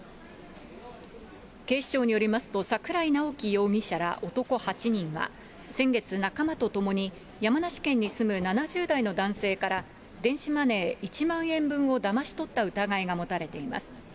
警視庁によりますと、桜井直樹容疑者ら男８人は、先月、仲間と共に、山梨県に住む７０代の男性から電子マネー１万円分をだまし取った疑いが持たれています。